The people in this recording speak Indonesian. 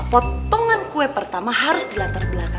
potongan kue pertama harus di latar belakang